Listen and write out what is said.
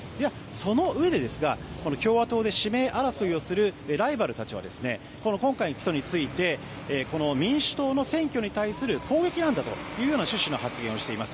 そのうえでですが共和党で指名争いするライバルたちは今回の起訴について民主党の選挙に対する攻撃なんだという趣旨の発言をしています。